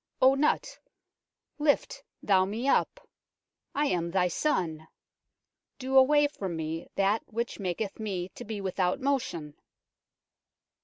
O Nut, lift thou me up. I am thy son. Do away from me that which maketh me to be without motion."